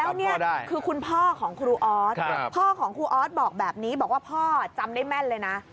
แล้วนี่คือคุณพ่อของครูออสพ่อของครูออสบอกแบบนี้บอกว่าพ่อจำได้แม่นเลยนะ